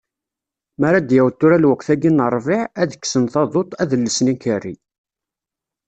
Mi ara d-yaweḍ tura lweqt-ayi n rrbiɛ, ad d-kksen taḍuṭ, ad d-llsen ikerri.